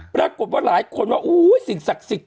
ปรากฏว่าหลายคนว่าอุ้ยสิ่งศักดิ์สิทธิ